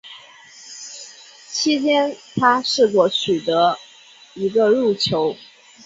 其间他试过取得一个入球。